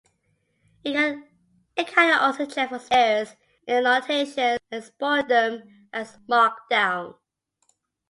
It can also check for spelling errors in annotations and export them as Markdown.